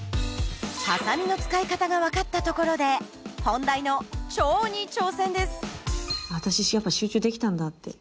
ハサミの使い方が分かったところで私やっぱ集中できたんだって。